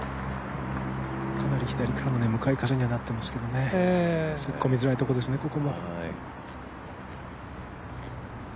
かなり左からの向かい風にはなってますがね突っ込みづらいところですね、ここも。